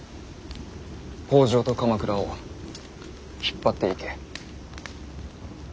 北条と鎌倉を引っ張っていけ。